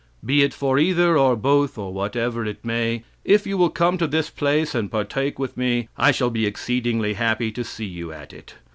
Be it for either, or both, or whatever it may, if you will come to this place and partake with me, I shall be exceedingly happy to see you at it.